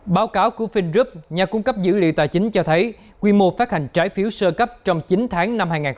báo cáo của finrub nhà cung cấp dữ liệu tài chính cho thấy quy mô phát hành trái phiếu sơ cấp trong chín tháng hai nghìn hai mươi một